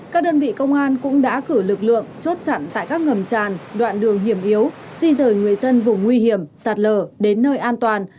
các đơn vị công an cũng đã cử lực lượng chốt chặn tại các ngầm tràn đoạn đường hiểm yếu di rời người dân vùng nguy hiểm sạt lở đến nơi an toàn